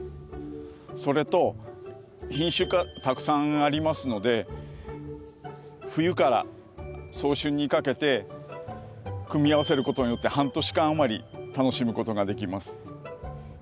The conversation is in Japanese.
それと品種がたくさんありますので冬から早春にかけて組み合わせることによって半年間余り楽しむことができます。